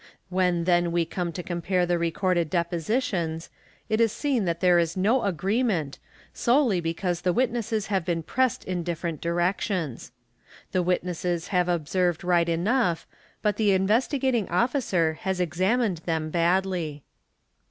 When then we come to compare the recorded : Bp positions, it is seen that there is no agreement, solely because the i witnesses have been pressed in different directions. The witnesses have observed right enough but the Investigating Officer has examined them badly.